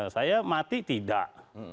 saya mati tidak